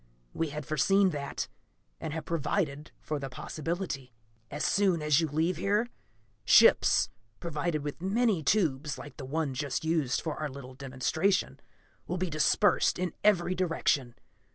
We had foreseen that, and have provided for the possibility. "As soon as you leave here, ships, provided with many tubes like the one just used for our little demonstration, will be dispersed in every direction.